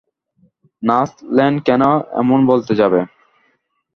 Nurse Lane কেন এমন বলতে যাবে?